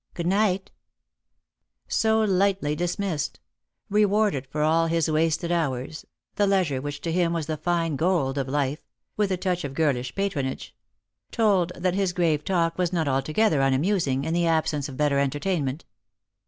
Good night !" So lightly dismissed ! Eewarded for all his wasted hours — the leisure which to him was the fine) gold of life — with a touch of girlish patronage ; told that his grave talk was not altogether unamusing, in the absence of better entertainment.